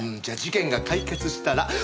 じゃあ事件が解決したら。